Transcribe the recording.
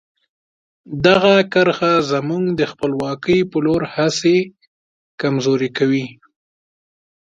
دغه کرښه زموږ د خپلواکۍ په لور هڅې کمزوري کوي.